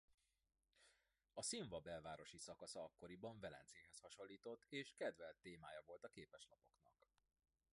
A Szinva belvárosi szakasza akkoriban Velencéhez hasonlított és kedvelt témája volt a képeslapoknak.